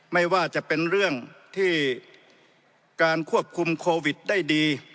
ไม่ว่าจะเป็นเรื่องที่การควบคุมโควิดได้ดี